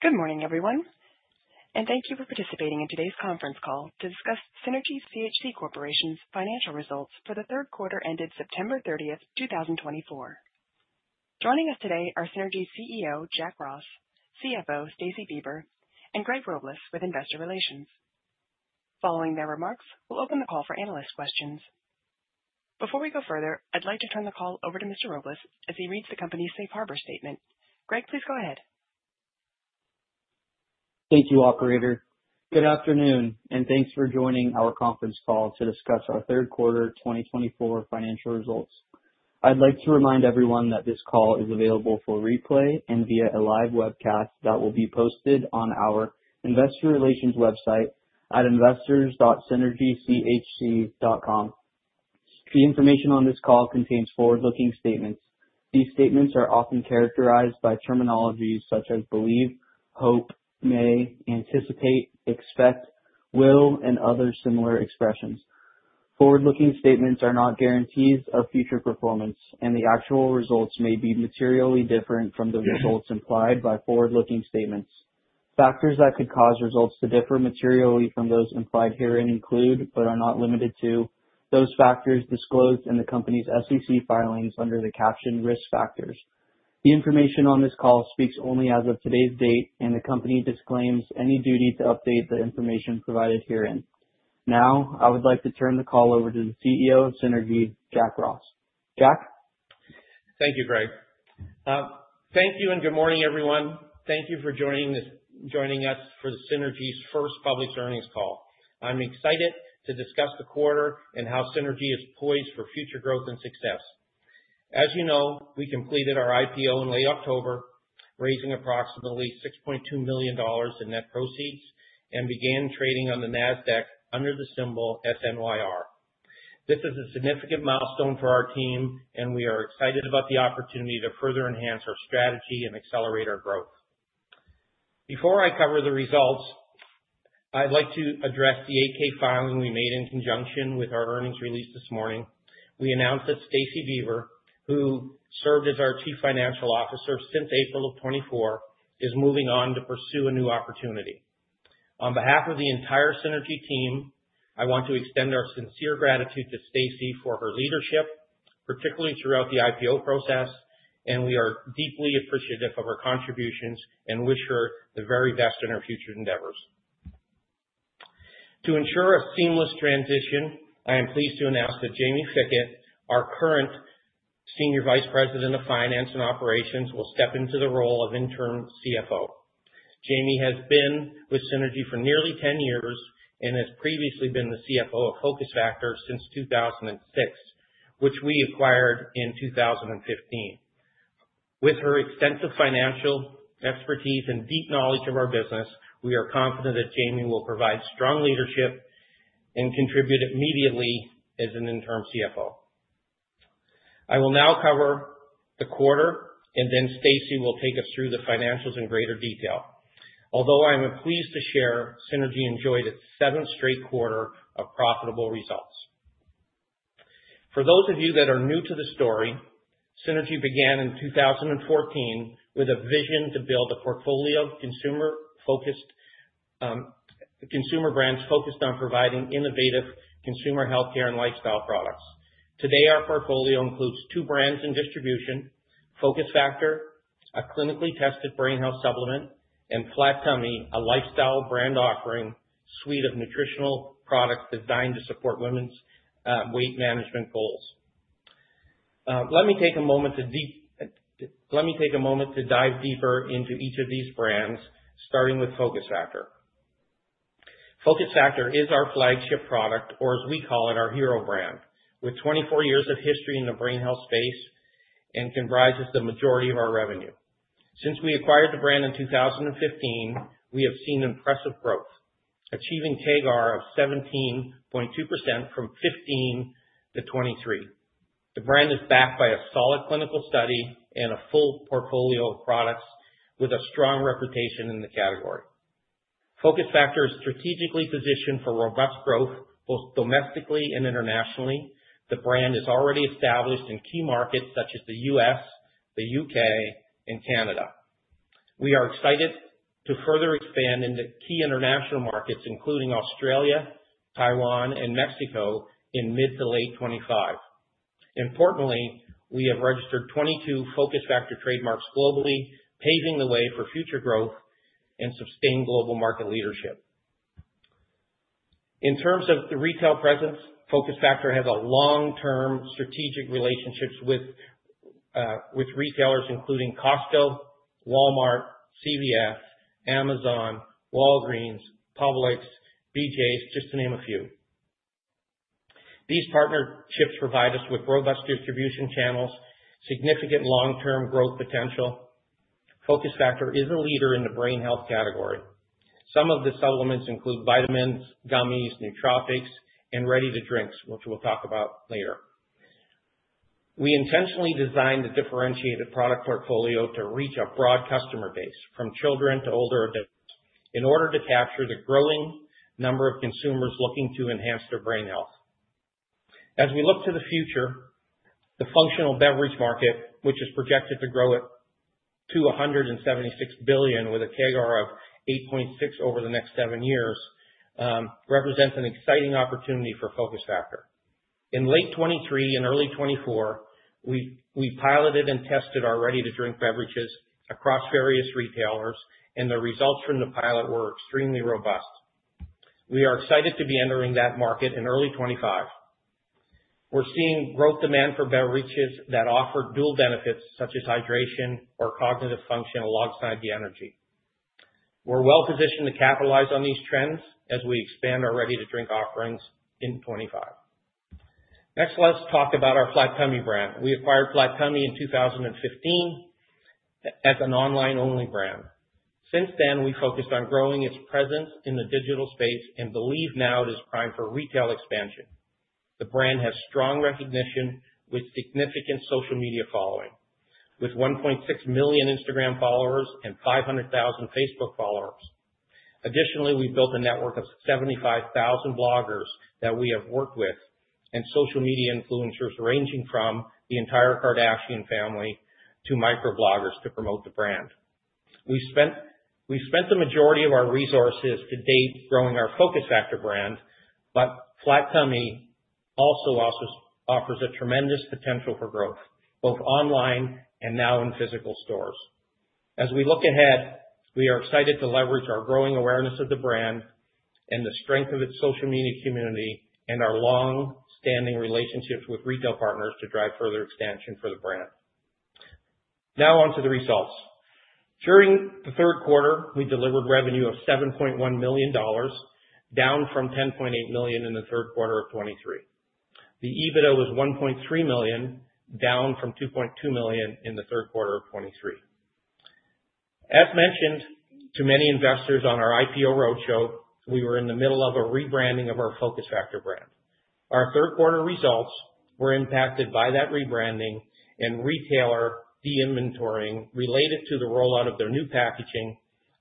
Good morning, everyone, and thank you for participating in today's conference call to discuss Synergy CHC Corporation's financial results for the third quarter ended September 30th, 2024. Joining us today are Synergy CEO Jack Ross, CFO Stacey Bieber, and Greg Robles with Investor Relations. Following their remarks, we'll open the call for analyst questions. Before we go further, I'd like to turn the call over to Mr. Robles as he reads the company's safe harbor statement. Greg, please go ahead. Thank you, Operator. Good afternoon, and thanks for joining our conference call to discuss our third quarter 2024 financial results. I'd like to remind everyone that this call is available for replay and via a live webcast that will be posted on our Investor Relations website at investors.synergychc.com. The information on this call contains forward-looking statements. These statements are often characterized by terminologies such as believe, hope, may, anticipate, expect, will, and other similar expressions. Forward-looking statements are not guarantees of future performance, and the actual results may be materially different from the results implied by forward-looking statements. Factors that could cause results to differ materially from those implied herein include, but are not limited to, those factors disclosed in the company's SEC filings under the captioned Risk Factors. The information on this call speaks only as of today's date, and the company disclaims any duty to update the information provided here. Now, I would like to turn the call over to the CEO of Synergy, Jack Ross. Jack? Thank you, Greg. Thank you and good morning, everyone. Thank you for joining us for Synergy's first public earnings call. I'm excited to discuss the quarter and how Synergy is poised for future growth and success. As you know, we completed our IPO in late October, raising approximately $6.2 million in net proceeds, and began trading on the NASDAQ under the symbol SNYR. This is a significant milestone for our team, and we are excited about the opportunity to further enhance our strategy and accelerate our growth. Before I cover the results, I'd like to address the 8-K filing we made in conjunction with our earnings released this morning. We announced that Stacey Bieber, who served as our Chief Financial Officer since April of 2024, is moving on to pursue a new opportunity. On behalf of the entire Synergy team, I want to extend our sincere gratitude to Stacey for her leadership, particularly throughout the IPO process, and we are deeply appreciative of her contributions and wish her the very best in her future endeavors. To ensure a seamless transition, I am pleased to announce that Jaime Fickett, our current Senior Vice President of Finance and Operations, will step into the role of Interim CFO. Jaime has been with Synergy for nearly 10 years and has previously been the CFO of Focus Factor since 2006, which we acquired in 2015. With her extensive financial expertise and deep knowledge of our business, we are confident that Jaime will provide strong leadership and contribute immediately as an Interim CFO. I will now cover the quarter, and then Stacey will take us through the financials in greater detail. Although I am pleased to share, Synergy enjoyed its seventh straight quarter of profitable results. For those of you that are new to the story, Synergy began in 2014 with a vision to build a portfolio of consumer brands focused on providing innovative consumer healthcare and lifestyle products. Today, our portfolio includes two brands in distribution: Focus Factor, a clinically tested brain health supplement, and Flat Tummy, a lifestyle brand offering suite of nutritional products designed to support women's weight management goals. Let me take a moment to dive deeper into each of these brands, starting with Focus Factor. Focus Factor is our flagship product, or as we call it, our hero brand, with 24 years of history in the brain health space and comprises the majority of our revenue. Since we acquired the brand in 2015, we have seen impressive growth, achieving CAGR of 17.2% from 2015 to 2023. The brand is backed by a solid clinical study and a full portfolio of products with a strong reputation in the category. Focus Factor is strategically positioned for robust growth both domestically and internationally. The brand is already established in key markets such as the U.S., the U.K., and Canada. We are excited to further expand into key international markets, including Australia, Taiwan, and Mexico in mid to late 2025. Importantly, we have registered 22 Focus Factor trademarks globally, paving the way for future growth and sustained global market leadership. In terms of the retail presence, Focus Factor has long-term strategic relationships with retailers, including Costco, Walmart, CVS, Amazon, Walgreens, Publix, BJ's, just to name a few. These partnerships provide us with robust distribution channels, significant long-term growth potential. Focus Factor is a leader in the brain health category. Some of the supplements include vitamins, gummies, nootropics, and ready-to-drink beverages, which we'll talk about later. We intentionally designed a differentiated product portfolio to reach a broad customer base, from children to older adults, in order to capture the growing number of consumers looking to enhance their brain health. As we look to the future, the functional beverage market, which is projected to grow to $176 billion with a CAGR of 8.6% over the next seven years, represents an exciting opportunity for Focus Factor. In late 2023 and early 2024, we piloted and tested our ready-to-drink beverages across various retailers, and the results from the pilot were extremely robust. We are excited to be entering that market in early 2025. We're seeing growing demand for beverages that offer dual benefits, such as hydration or cognitive function, alongside the energy. We're well-positioned to capitalize on these trends as we expand our ready-to-drink offerings in 2025. Next, let's talk about our Flat Tummy brand. We acquired Flat Tummy in 2015 as an online-only brand. Since then, we focused on growing its presence in the digital space and believe now it is prime for retail expansion. The brand has strong recognition with significant social media following, with 1.6 million Instagram followers and 500,000 Facebook followers. Additionally, we've built a network of 75,000 bloggers that we have worked with and social media influencers ranging from the entire Kardashian family to microbloggers to promote the brand. We've spent the majority of our resources to date growing our Focus Factor brand, but Flat Tummy also offers a tremendous potential for growth, both online and now in physical stores. As we look ahead, we are excited to leverage our growing awareness of the brand and the strength of its social media community and our long-standing relationships with retail partners to drive further expansion for the brand. Now, on to the results. During the third quarter, we delivered revenue of $7.1 million, down from $10.8 million in the third quarter of 2023. The EBITDA was $1.3 million, down from $2.2 million in the third quarter of 2023. As mentioned to many investors on our IPO roadshow, we were in the middle of a rebranding of our Focus Factor brand. Our third-quarter results were impacted by that rebranding and retailer de-inventoring related to the rollout of their new packaging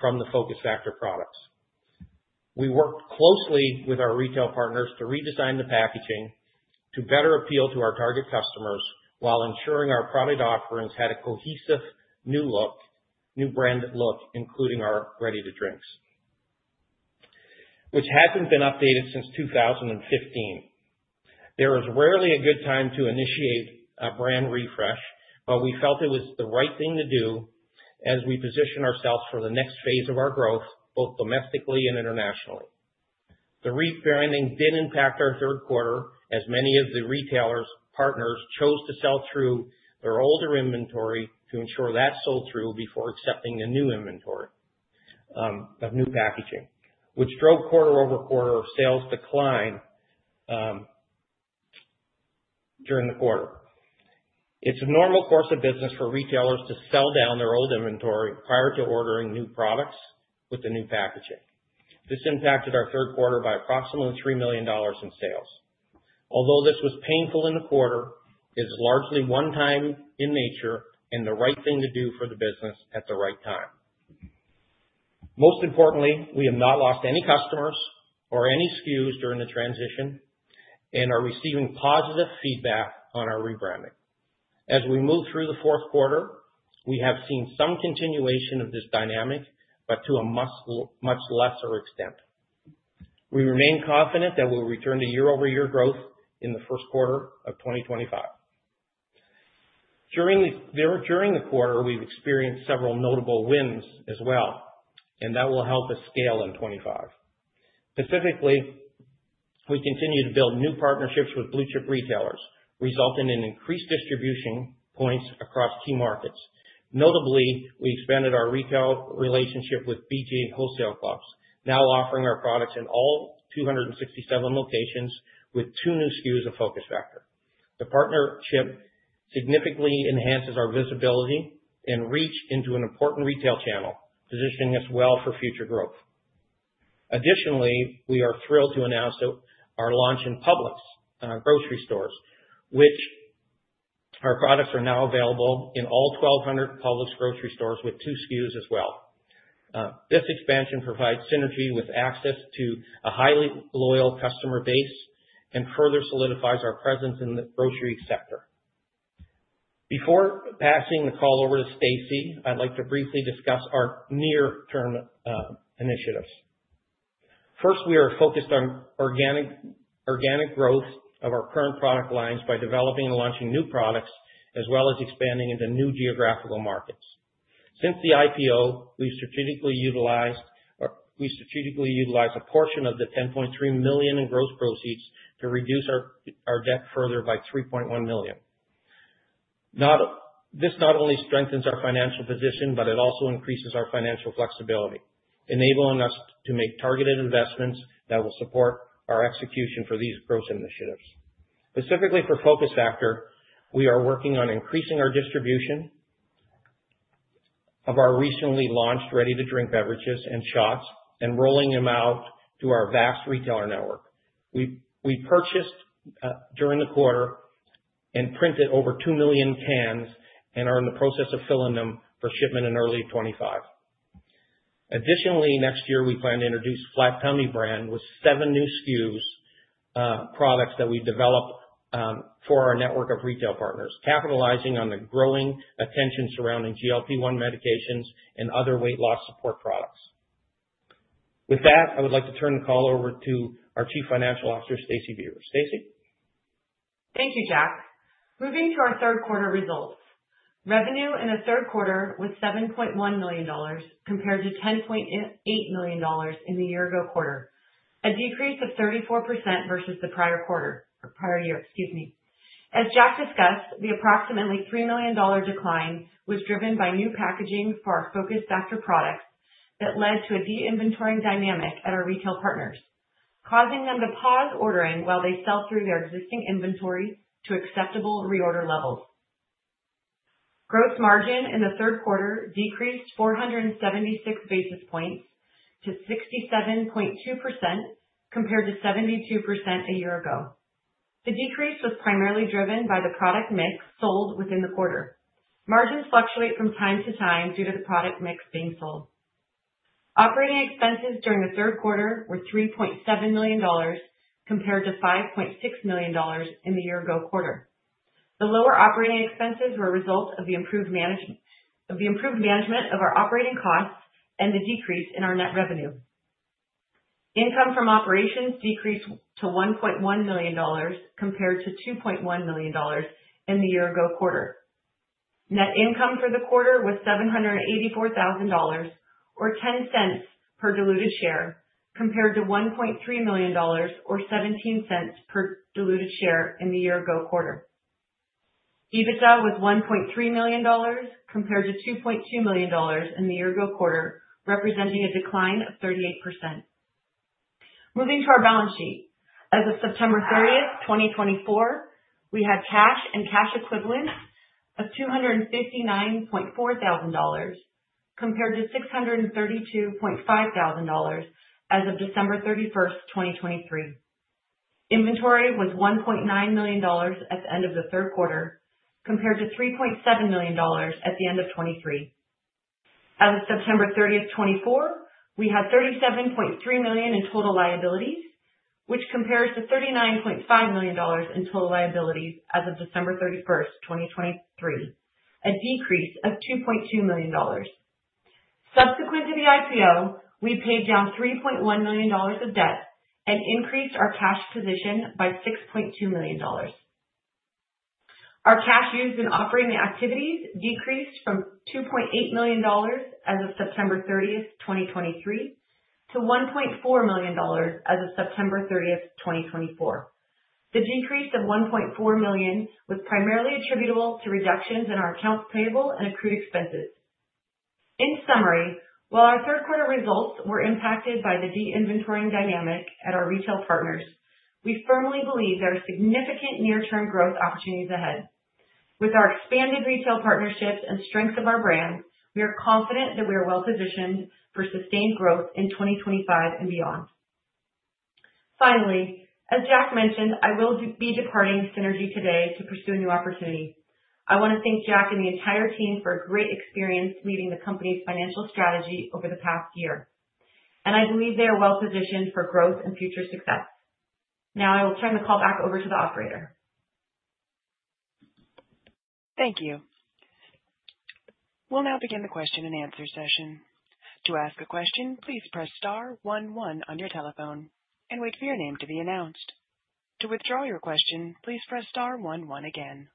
from the Focus Factor products. We worked closely with our retail partners to redesign the packaging to better appeal to our target customers while ensuring our product offerings had a cohesive new brand look, including our ready-to-drinks, which hasn't been updated since 2015. There is rarely a good time to initiate a brand refresh, but we felt it was the right thing to do as we position ourselves for the next phase of our growth, both domestically and internationally. The rebranding did impact our third quarter, as many of our retail partners chose to sell through their older inventory to ensure that it sold through before accepting the new packaging, which drove quarter-over-quarter sales decline during the quarter. It's a normal course of business for retailers to sell down their old inventory prior to ordering new products with the new packaging. This impacted our third quarter by approximately $3 million in sales. Although this was painful in the quarter, it is largely one-time in nature and the right thing to do for the business at the right time. Most importantly, we have not lost any customers or any SKUs during the transition and are receiving positive feedback on our rebranding. As we move through the fourth quarter, we have seen some continuation of this dynamic, but to a much lesser extent. We remain confident that we'll return to year-over-year growth in the first quarter of 2025. During the quarter, we've experienced several notable wins as well, and that will help us scale in 2025. Specifically, we continue to build new partnerships with blue-chip retailers, resulting in increased distribution points across key markets. Notably, we expanded our retail relationship with BJ's Wholesale Club, now offering our products in all 267 locations with two new SKUs of Focus Factor. The partnership significantly enhances our visibility and reach into an important retail channel, positioning us well for future growth. Additionally, we are thrilled to announce our launch in Publix grocery stores, which our products are now available in all 1,200 Publix grocery stores with two SKUs as well. This expansion provides synergy with access to a highly loyal customer base and further solidifies our presence in the grocery sector. Before passing the call over to Stacey, I'd like to briefly discuss our near-term initiatives. First, we are focused on organic growth of our current product lines by developing and launching new products, as well as expanding into new geographical markets. Since the IPO, we've strategically utilized a portion of the $10.3 million in gross proceeds to reduce our debt further by $3.1 million. This not only strengthens our financial position, but it also increases our financial flexibility, enabling us to make targeted investments that will support our execution for these growth initiatives. Specifically for Focus Factor, we are working on increasing our distribution of our recently launched ready-to-drink beverages and shots and rolling them out to our vast retailer network. We purchased during the quarter and printed over two million cans and are in the process of filling them for shipment in early 2025. Additionally, next year, we plan to introduce the Flat Tummy brand with seven new SKUs products that we develop for our network of retail partners, capitalizing on the growing attention surrounding GLP-1 medications and other weight loss support products. With that, I would like to turn the call over to our Chief Financial Officer, Stacey Bieber. Stacey. Thank you, Jack. Moving to our third-quarter results. Revenue in the third quarter was $7.1 million compared to $10.8 million in the year-ago quarter, a decrease of 34% versus the prior year. Excuse me. As Jack discussed, the approximately $3 million decline was driven by new packaging for our Focus Factor products that led to a de-inventorying dynamic at our retail partners, causing them to pause ordering while they sell through their existing inventory to acceptable reorder levels. Gross margin in the third quarter decreased 476 basis points to 67.2% compared to 72% a year ago. The decrease was primarily driven by the product mix sold within the quarter. Margins fluctuate from time to time due to the product mix being sold. Operating expenses during the third quarter were $3.7 million compared to $5.6 million in the year-ago quarter. The lower operating expenses were a result of the improved management of our operating costs and the decrease in our net revenue. Income from operations decreased to $1.1 million compared to $2.1 million in the year-ago quarter. Net income for the quarter was $784,000 or $0.10 per diluted share compared to $1.3 million or $0.17 per diluted share in the year-ago quarter. EBITDA was $1.3 million compared to $2.2 million in the year-ago quarter, representing a decline of 38%. Moving to our balance sheet. As of September 30th, 2024, we had cash and cash equivalents of $259,400 compared to $632,500 as of December 31st, 2023. Inventory was $1.9 million at the end of the third quarter compared to $3.7 million at the end of 2023. As of September 30th, 2024, we had $37.3 million in total liabilities, which compares to $39.5 million in total liabilities as of December 31st, 2023, a decrease of $2.2 million. Subsequent to the IPO, we paid down $3.1 million of debt and increased our cash position by $6.2 million. Our cash used in operating activities decreased from $2.8 million as of September 30th, 2023, to $1.4 million as of September 30th, 2024. The decrease of $1.4 million was primarily attributable to reductions in our accounts payable and accrued expenses. In summary, while our third-quarter results were impacted by the de-inventorying dynamic at our retail partners, we firmly believe there are significant near-term growth opportunities ahead. With our expanded retail partnerships and strength of our brand, we are confident that we are well-positioned for sustained growth in 2025 and beyond. Finally, as Jack mentioned, I will be departing Synergy today to pursue a new opportunity. I want to thank Jack and the entire team for a great experience leading the company's financial strategy over the past year, and I believe they are well-positioned for growth and future success. Now, I will turn the call back over to the operator. Thank you. We'll now begin the question and answer session. To ask a question, please press star 11 on your telephone and wait for your name to be announced. To withdraw your question, please press star 11 again.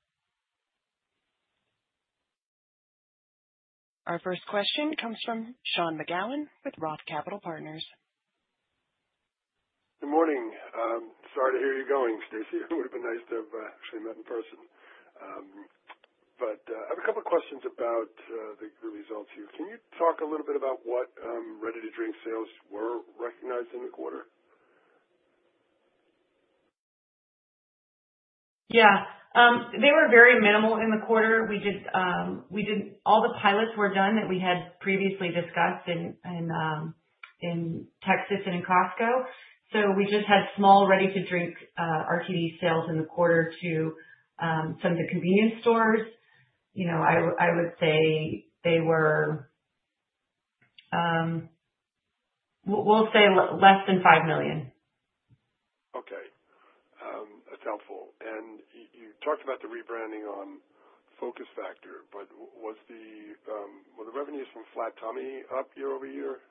Our first question comes from Sean McGowan with Roth Capital Partners. Good morning. Sorry to hear you going, Stacey. It would have been nice to have actually met in person. But I have a couple of questions about the results here. Can you talk a little bit about what ready-to-drink sales were recognized in the quarter? Yeah. They were very minimal in the quarter. All the pilots were done that we had previously discussed in Texas and in Costco. So we just had small ready-to-drink RTD sales in the quarter to some of the convenience stores. I would say they were, we'll say, less than $5 million. Okay. That's helpful. And you talked about the rebranding on Focus Factor, but were the revenues from Flat Tummy up year over year?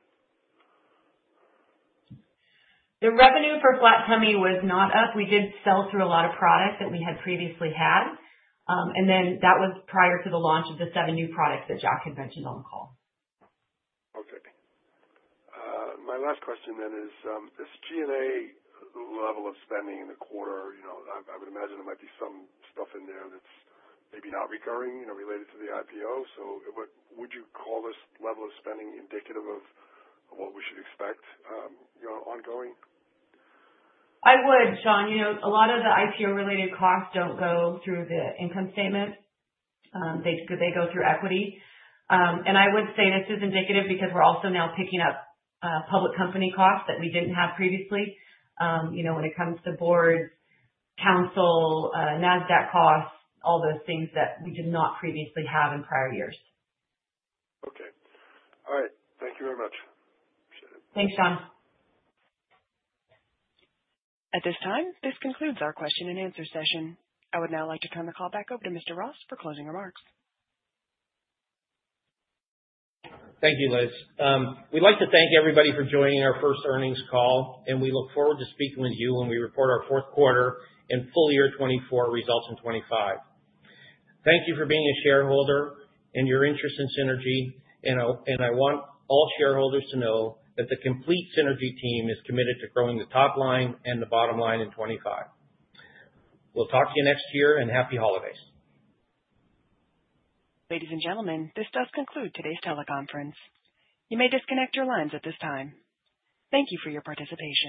The revenue for Flat Tummy was not up. We did sell through a lot of products that we had previously had. And then that was prior to the launch of the seven new products that Jack had mentioned on the call. Okay. My last question then is, this G&A level of spending in the quarter, I would imagine there might be some stuff in there that's maybe not recurring related to the IPO. So would you call this level of spending indicative of what we should expect ongoing? I would, Sean. A lot of the IPO-related costs don't go through the income statement. They go through equity. And I would say this is indicative because we're also now picking up public company costs that we didn't have previously when it comes to boards, counsel, NASDAQ costs, all those things that we did not previously have in prior years. Okay. All right. Thank you very much. Appreciate it. Thanks, Sean. At this time, this concludes our question and answer session. I would now like to turn the call back over to Mr. Ross for closing remarks. Thank you, Liz. We'd like to thank everybody for joining our first earnings call, and we look forward to speaking with you when we report our fourth quarter and full year 2024 results in 2025. Thank you for being a shareholder and your interest in Synergy, and I want all shareholders to know that the complete Synergy team is committed to growing the top line and the bottom line in 2025. We'll talk to you next year, and happy holidays. Ladies and gentlemen, this does conclude today's teleconference. You may disconnect your lines at this time. Thank you for your participation.